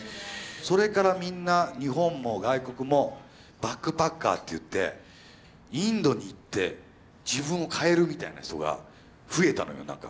それからみんな日本も外国もバックパッカーっていってインドに行って自分を変えるみたいな人が増えたのよなんか。